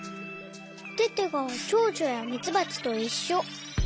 テテがチョウチョやミツバチといっしょ。